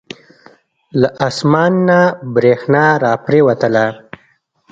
له اسمان نه بریښنا را پریوتله.